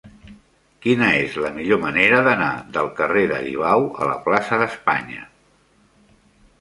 Quina és la millor manera d'anar del carrer d'Aribau a la plaça d'Espanya?